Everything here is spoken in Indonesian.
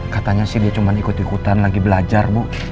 katanya sih dia cuma ikut ikutan lagi belajar bu